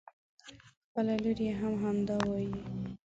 خپله لور يې هم همدا وايي.